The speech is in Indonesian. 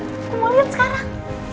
aku mau liat sekarang